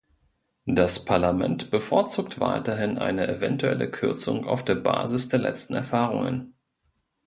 Das Parlament bevorzugt weiterhin eine eventuelle Kürzung auf der Basis der letzten Erfahrungen.